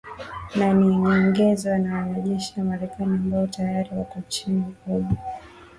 Na ni nyongeza ya wanajeshi wa Marekani ambao tayari wako nchini humo.